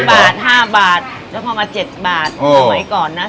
๓บาท๕บาทแล้วก็มา๗บาทสมัยก่อนนะ